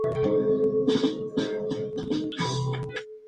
Diccionario de falacias